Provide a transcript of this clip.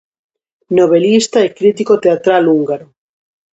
Novelista e crítico teatral húngaro.